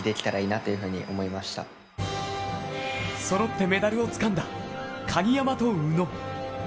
そろってメダルをつかんだ鍵山と宇野。